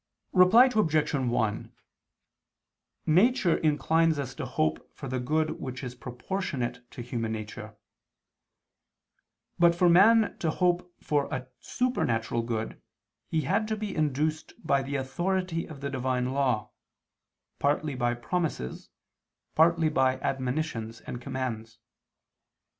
Reply Obj. 1: Nature inclines us to hope for the good which is proportionate to human nature; but for man to hope for a supernatural good he had to be induced by the authority of the Divine law, partly by promises, partly by admonitions and commands.